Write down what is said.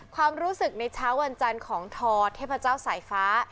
ความรู้สึกในเช้าวันจันทร์ของทอเทพเจ้าสายฟ้า